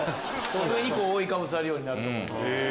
上に覆いかぶさるようになると思います。